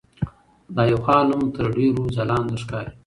د ایوب خان نوم تر ډېرو ځلانده ښکاري.